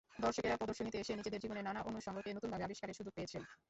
দর্শকেরা প্রদর্শনীতে এসে নিজেদের জীবনের নানা অনুষঙ্গকে নতুনভাবে আবিষ্কারের সুযোগ পেয়েছেন।